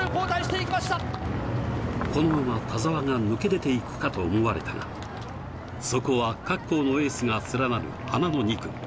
このまま田澤が抜け出て行くかと思われたが、そこは各校のエースが連なる花の２区。